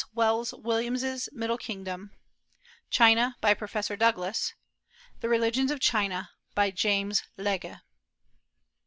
Wells Williams's Middle Kingdom; China, by Professor Douglas; The Religions of China, by James Legge.